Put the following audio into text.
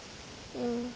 うん。